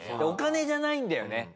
お金じゃないんだよね。